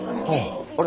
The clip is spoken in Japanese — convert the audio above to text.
あれ？